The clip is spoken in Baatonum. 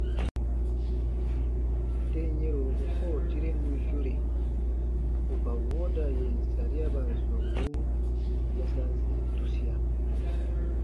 Tem yɛ̃ro u koo tirenu yore ù ka wooda yèn sariaban sɔmburun yasansi tusia.